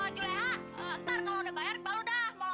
tentu ah kenang